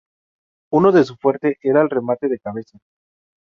Uno de sus fuerte era el remate de cabeza.